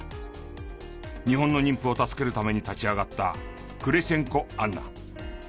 日本の妊婦を助けるために立ち上がったクレシェンコアンナ。